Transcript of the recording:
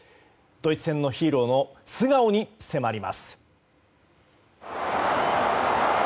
ドイツ戦のヒーローの素顔に迫ります。